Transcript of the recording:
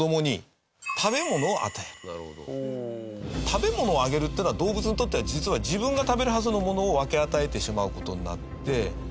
食べ物をあげるっていうのは動物にとっては実は自分が食べるはずのものを分け与えてしまう事になって。